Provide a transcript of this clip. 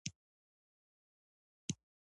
چاته د درد رسولو وړاندې احساس وکړه.